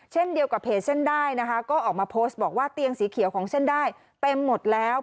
เช่นเดียวกับเพจเส้นได้นะคะก็ออกมาโพสต์บอกว่าเตียงสีเขียวของเส้นได้เต็มหมดแล้ว